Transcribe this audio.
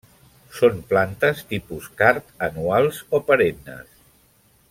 Són plantes tipus card, anuals o perennes.